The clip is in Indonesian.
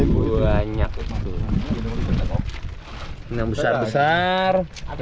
banyak itu enggak besar besar